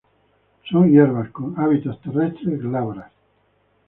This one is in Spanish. Son hierbas, con hábitos terrestre, glabras.